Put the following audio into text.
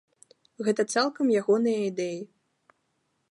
Гэта цалкам ягоныя ідэі.